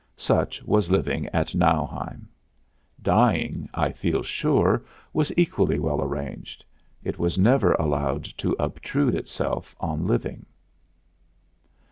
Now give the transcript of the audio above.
Such was living at Nauheim. Dying, I feel sure, was equally well arranged; it was never allowed to obtrude itself on living.